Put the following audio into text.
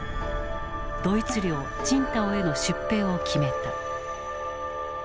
ドイツ領青島への出兵を決めた。